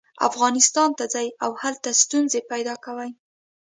افغانستان ته ځي او هلته ستونزې پیدا کوي.